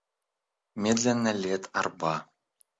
Медленна лет арба.